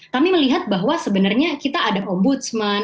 kami melihat bahwa sebenarnya kita ada ombudsman